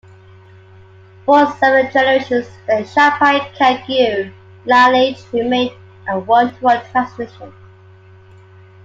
For seven generations, the Shangpa Kagyu lineage remained a one-to-one transmission.